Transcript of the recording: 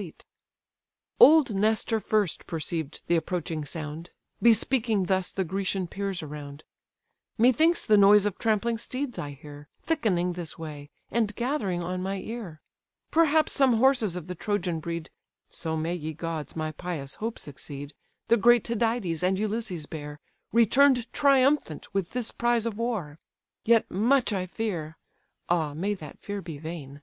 DIOMED AND ULYSSES RETURNING WITH THE SPOILS OF RHESUS Old Nestor first perceived the approaching sound, Bespeaking thus the Grecian peers around: "Methinks the noise of trampling steeds I hear, Thickening this way, and gathering on my ear; Perhaps some horses of the Trojan breed (So may, ye gods! my pious hopes succeed) The great Tydides and Ulysses bear, Return'd triumphant with this prize of war. Yet much I fear (ah, may that fear be vain!)